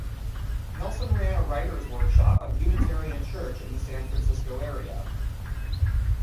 Nelson ran a writers' workshop at a Unitarian church in the San Francisco area.